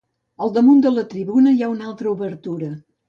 Al damunt de la tribuna, hi ha una altra obertura.